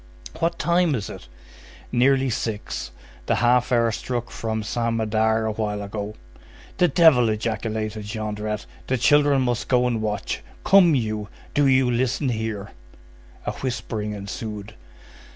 "What time is it?" "Nearly six. The half hour struck from Saint Médard a while ago." "The devil!" ejaculated Jondrette; "the children must go and watch. Come you, do you listen here." A whispering ensued.